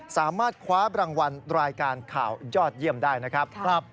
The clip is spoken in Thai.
สามารถคว้ารางวัลรายการข่าวยอดเยี่ยมได้นะครับ